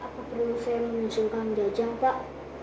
apa perlu saya menunjukkan saja pak